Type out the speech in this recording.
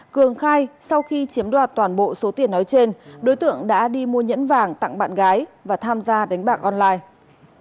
cường khai sau khi chiếm đoạt toàn bộ số tiền nói trên đối tượng đã đi mua nhẫn vàng tặng bạn gái và tham gia đánh bạc online